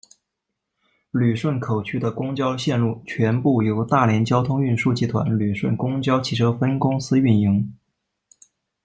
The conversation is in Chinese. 旅顺口区的公交线路全部由大连交通运输集团旅顺公交汽车分公司运营。